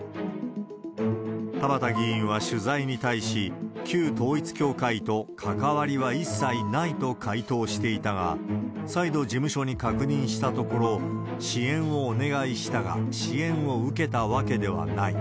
田畑議員は取材に対し、旧統一教会と関わりは一切ないと回答していたが、再度事務所に確認したところ、支援をお願いしたが、支援を受けたわけではない。